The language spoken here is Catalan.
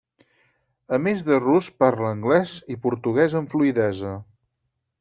A més de rus, parla anglès i portuguès amb fluïdesa.